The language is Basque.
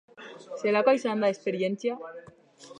Zelakoa izan da esperientzia?